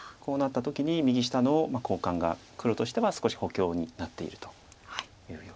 こうなった時に右下の交換が黒としては少し補強になっていると。